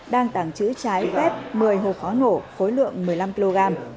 đang tàng trữ trái phép một mươi hộp pháo nổ khối lượng một mươi năm kg